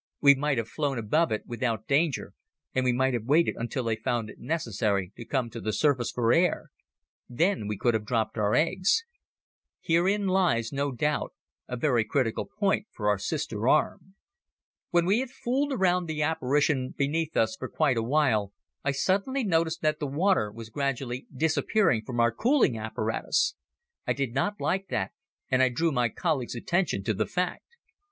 We might have flown above it without danger and we might have waited until they found it necessary to come to the surface for air. Then we could have dropped our eggs. Herein lies, no doubt, a very critical point for our sister arm. When we had fooled around the apparition beneath us for quite a while I suddenly noticed that the water was gradually disappearing from our cooling apparatus. I did not like that and I drew my colleague's attention to the fact.